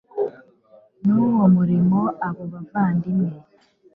n uwo murimo abo bavandimwe